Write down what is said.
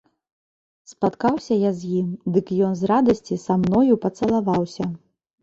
Спаткаўся я з ім, дык ён з радасці са мною пацалаваўся.